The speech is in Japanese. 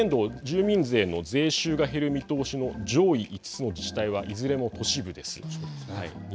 今年度住民税の税収が減る見通しの上位５つの自治体はいずれも都市部です。